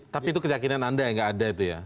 tapi itu keyakinan anda yang nggak ada itu ya